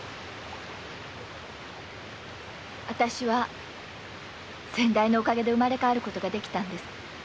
私は先代のおかげで生まれ変わることができたんです。